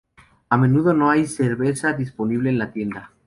A menudo no hay cerveza disponible en la tienda.